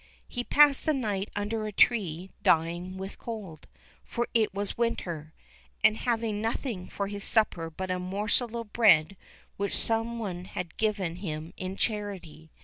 He passed the night under a tree dying with cold, for it was winter, and having nothing for his supper but a morsel of bread which some one had given him in charity.